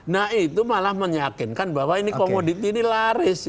nah itu malah menyakinkan bahwa komoditi ini laris